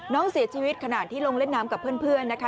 น้องเสียชีวิตขณะที่ลงเล่นน้ำกับเพื่อนนะคะ